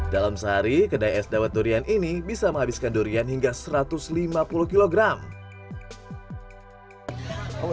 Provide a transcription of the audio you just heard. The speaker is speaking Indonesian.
dalam sehari kedai es dawet durian ini bisa menghabiskan durian hingga satu ratus lima puluh kilogram